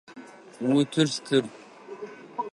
Утыр стыр.